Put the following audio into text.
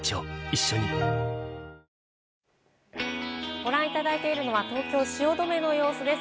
ご覧いただいているのは東京・汐留の様子です。